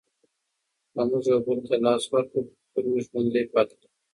که موږ یو بل ته لاس ورکړو کلتور مو ژوندی پاتې کیږي.